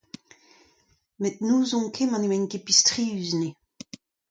Met n'ouzon ket ma n'emaint ket pistrius anezhe.